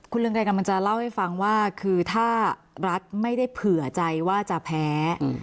เรืองไกรกำลังจะเล่าให้ฟังว่าคือถ้ารัฐไม่ได้เผื่อใจว่าจะแพ้